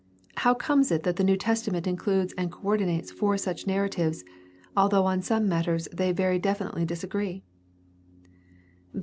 How comes it that the New Testament includes and co ordinates four such narratives, although on some matters they very definitely disagree?